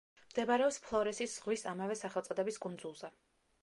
მდებარეობს ფლორესის ზღვის ამავე სახელწოდების კუნძულზე.